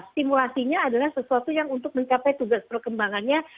stimulasinya adalah sesuatu yang untuk mencapai tugas perkembangannya